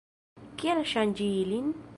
Kial ŝanĝi ilin?